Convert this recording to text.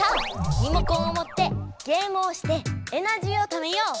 リモコンを持ってゲームをしてエナジーをためよう。